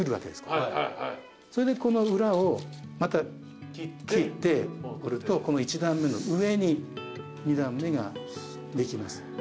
それでこの裏をまた切って折るとこの１段目の上に２段目ができます。